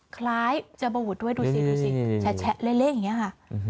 คล้ายจะบะหุดด้วยดูสิดูสิแฉะแฉะเละเละอย่างเงี้ยค่ะ